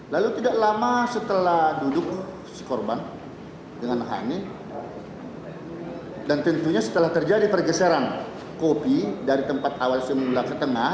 lalu tidak lama setelah duduk si korban dengan hani dan tentunya setelah terjadi pergeseran kopi dari tempat awal semula ke tengah